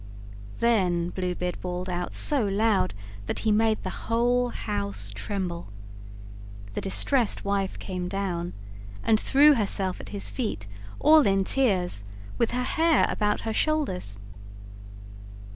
Then Blue Beard bawled out so loud that he made the whole house tremble. The distressed wife came down and threw herself at his feet, all in tears, with her hair about her shoulders.